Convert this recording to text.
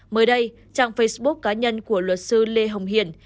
mới đây trang facebook cá nhân của luật sư lê hồng hiền